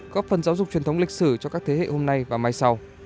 góp phần giáo dục truyền thống lịch sử cho các thế hệ hôm nay và mai sau